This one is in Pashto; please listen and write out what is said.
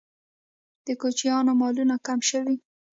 د کوچیانو مالونه کم شوي؟